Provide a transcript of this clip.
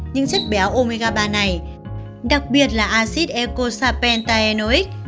những chất béo omega ba này đặc biệt là acid eicosapentaenoic